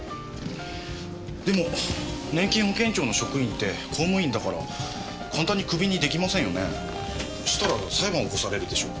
でも年金保険庁の職員って公務員だから簡単にクビにできませんよねしたら裁判起こされるでしょ？